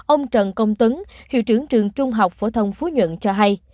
ông trần công tấn hiệu trưởng trường trung học phổ thông phú nhuận cho hay